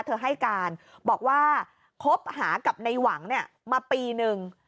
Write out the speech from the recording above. ให้การบอกว่าคบหากับในหวังมาปีนึง